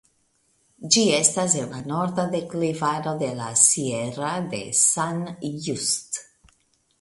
Ĝi estas en la norda deklivaro de la Sierra de San Just.